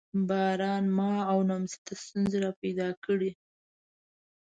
باران ما او نمسۍ ته ستونزې را پیدا کړې.